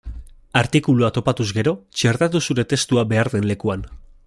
Artikulua topatuz gero, txertatu zure testua behar den lekuan.